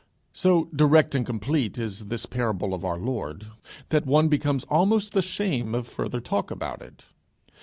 So direct and complete is this parable of our Lord, that one becomes almost ashamed of further talk about it.